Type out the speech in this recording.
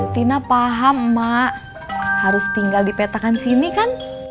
tina paham emak harus tinggal di petakan sini kan